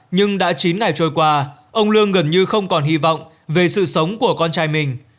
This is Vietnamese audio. nhưng đã chín ngày trôi qua ông lương gần như không còn hy vọng về sự sống của con trai mình